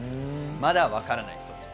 まだわからないそうです。